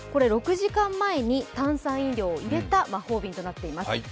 ６時間前に炭酸飲料を入れた魔法瓶となっています。